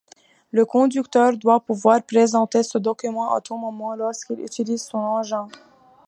Le conducteur doit pouvoir présenter ce document à tout moment lorsqu'il utilise son engin.